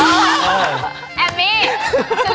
อัมมี่ฉันเริ่มเกลียดแกแล้ว